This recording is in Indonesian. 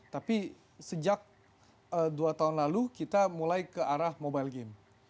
tapi sejak dua tahun lalu kita mulai ke arah mobile game